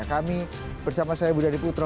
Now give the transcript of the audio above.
kami bersama saya budi adiputro